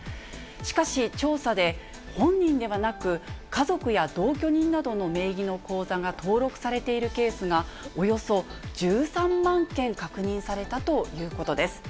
しかし、調査で、本人ではなく、家族や同居人などの名義の口座が登録されているケースが、およそ１３万件確認されたということです。